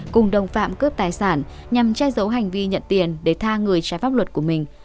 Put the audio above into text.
cùng đồng phạm cướp tài sản nhằm che giấu hành vi nhận tiền để tha người trái pháp luật của mình